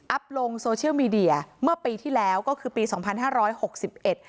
ลงโซเชียลมีเดียเมื่อปีที่แล้วก็คือปีสองพันห้าร้อยหกสิบเอ็ด